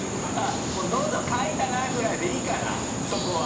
「もうのど渇いたな」ぐらいでいいからそこは。